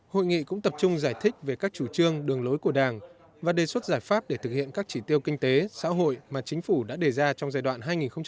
hội nghị cũng tập trung giải thích về các chủ trương đường lối của đảng và đề xuất giải pháp để thực hiện các chỉ tiêu kinh tế xã hội mà chính phủ đã đề ra trong giai đoạn hai nghìn hai mươi một hai nghìn hai mươi năm